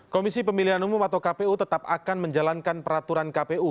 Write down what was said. komisi pemilihan umum atau kpu tetap akan menjalankan peraturan kpu